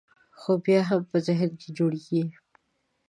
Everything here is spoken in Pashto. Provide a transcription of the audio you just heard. خو بیا هم په ذهن کې جوړېږي.